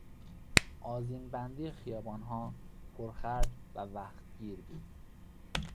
آذینبندی خیابانها پرخرج و وقتگیر بود.